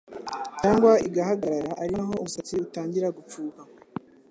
cyangwa igahagarara ari na ho umusatsi utangira gupfuka